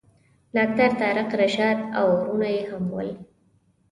ډاکټر طارق رشاد او وروڼه یې هم ول.